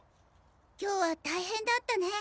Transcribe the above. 今日は大変だったね。